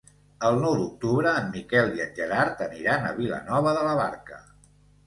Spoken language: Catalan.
El nou d'octubre en Miquel i en Gerard aniran a Vilanova de la Barca.